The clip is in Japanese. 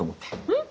うん？